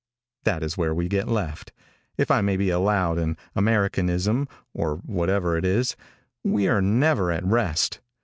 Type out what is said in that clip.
That is where we get left, if I may be allowed an Americanism, or whatever it is. We are never at rest.